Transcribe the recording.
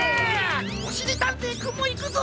おしりたんていくんもいくぞ！